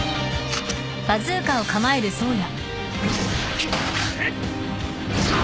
くっ！